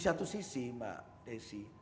di satu sisi mbak desi